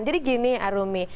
jadi gini arumi